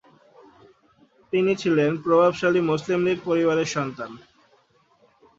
তিনি ছিলেন প্রভাবশালী মুসলিম লীগ পরিবারের সন্তান।